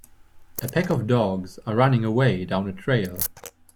A pack of dogs are running away down a trail.